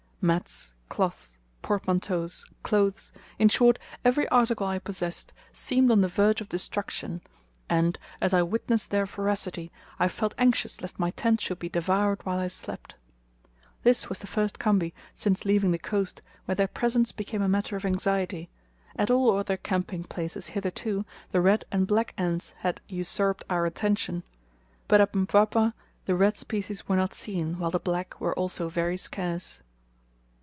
Mats, cloth, portmanteaus, clothes, in short, every article I possessed, seemed on the verge of destruction, and, as I witnessed their voracity, I felt anxious lest my tent should be devoured while I slept. This was the first khambi since leaving the coast where their presence became a matter of anxiety; at all other camping places hitherto the red and black ants had usurped our attention, but at Mpwapwa the red species were not seen, while the black were also very scarce.